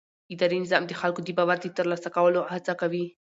اداري نظام د خلکو د باور د ترلاسه کولو هڅه کوي.